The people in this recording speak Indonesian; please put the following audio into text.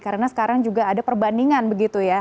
karena sekarang juga ada perbandingan begitu ya